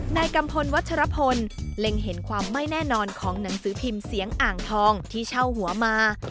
กัมพลวัชรพลเล็งเห็นความไม่แน่นอนของหนังสือพิมพ์เสียงอ่างทองที่เช่าหัวมา